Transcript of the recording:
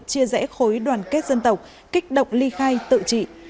chia rẽ khối đoàn kết dân tộc kích động ly khai tự trị